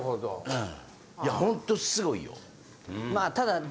うん。